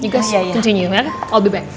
kalian lanjutkan aku kembali